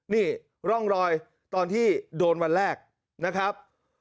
นี่ร่องรอยตอนที่โดนวันแรกนะครับ